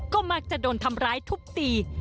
ก็มักจะโดนทำร้ายทุบตี